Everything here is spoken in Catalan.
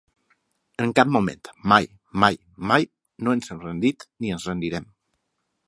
En cap moment, mai, mai, mai, no ens hem rendit ni ens rendirem.